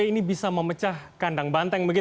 ini bisa memecah kandang banteng